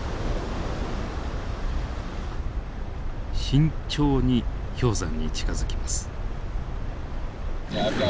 慎重に氷山に近づきます。